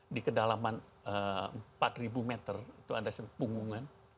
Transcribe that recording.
di kedalaman empat ribu meter itu ada punggungan